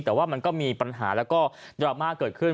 แต่ว่ามันก็มีปัญหาแล้วก็ดราม่าเกิดขึ้น